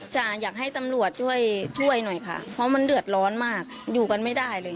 อยากให้ตำรวจช่วยช่วยหน่อยค่ะเพราะมันเดือดร้อนมากอยู่กันไม่ได้เลย